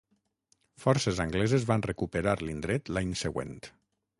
Forces angleses van recuperar l'indret l'any següent.